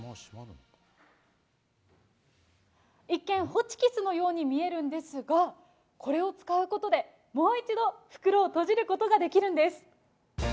一見、ホチキスのように見えるんですが、これを使うことでもう一度袋を閉じることができるんです。